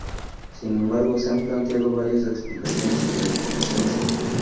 Sin embargo, se han planteado varias explicaciones sobre su presencia.